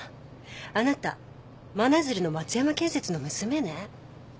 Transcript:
あなた真鶴の松山建設の娘ね？